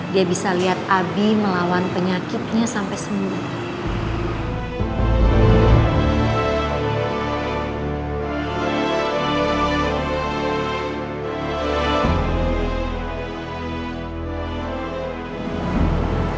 dia bisa lihat abi melawan penyakitnya sampai sembuh